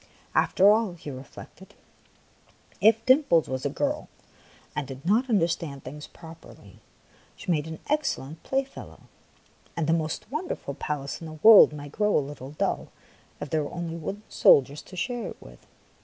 After all, he re flected, if Dimples was a girl and did not understand things properly, she made an excel lent playfellow ; and the most wonderful palace in the world might grow a little dull if there were only wooden soldiers to share it with.